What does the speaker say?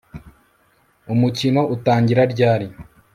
Umukino utangira ryari